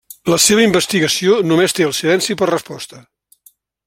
La seva investigació només té el silenci per resposta.